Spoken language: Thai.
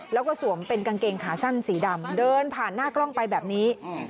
แล้วก็สวมเป็นกางเกงขาสั้นสีดำเดินผ่านหน้ากล้องไปแบบนี้